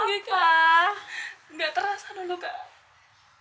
gak terasa dulu kak